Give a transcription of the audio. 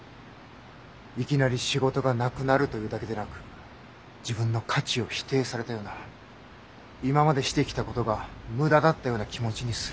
いきなり仕事がなくなるというだけでなく自分の価値を否定されたような今までしてきたことが無駄だったような気持ちにすらなる。